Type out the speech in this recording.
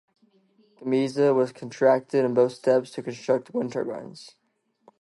Gamesa was contracted in both steps to construct wind turbines.